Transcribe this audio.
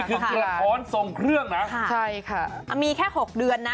คือกระท้อนทรงเครื่องนะใช่ค่ะมีแค่๖เดือนนะ